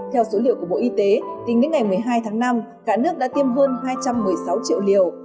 theo số liệu của bộ y tế tính đến ngày một mươi hai tháng năm cả nước đã tiêm hơn hai trăm một mươi sáu triệu liều